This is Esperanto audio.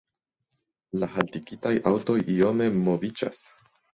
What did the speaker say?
La haltigitaj aŭtoj iome moviĝas.